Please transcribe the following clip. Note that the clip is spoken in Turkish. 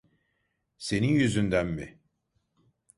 Senin yüzünden mi?